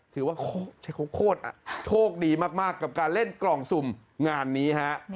ถือว่าโชคดีมากกับการเล่นกล่องสุ่มงานนี้ครับ